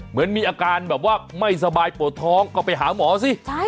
เหมือนมีอาการแบบว่าไม่สบายปวดท้องก็ไปหาหมอสิ